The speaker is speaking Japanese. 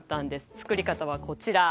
作り方はこちら。